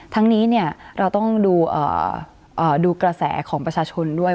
ทั้งนี้เราต้องดูกระแสของประชาชนด้วย